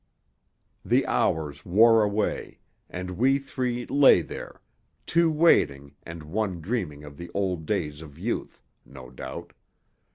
The hours wore away, and we three lay there, two waiting and one dreaming of the old days of youth, no doubt.